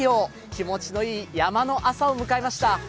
気持ちのいい山の朝を迎えました。